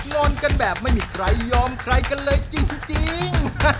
งอนกันแบบไม่มีใครยอมใครกันเลยจริง